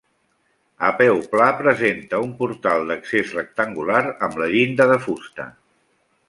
A peu pla presenta un portal d'accés rectangular, amb la llinda de fusta.